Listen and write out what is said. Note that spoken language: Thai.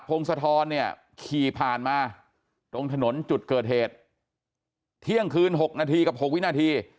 พงศธรเนี่ยขี่ผ่านมาตรงถนนจุดเกิดเหตุเที่ยงคืน๖นาทีกับ๖วินาที